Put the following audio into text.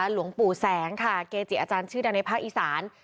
หลวงปู่แสงค่ะเกจิอาจารย์ชื่อดังในภาคอีสาน